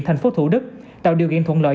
thành phố thủ đức tạo điều kiện thuận lợi